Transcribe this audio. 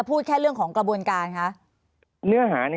ภารกิจสรรค์ภารกิจสรรค์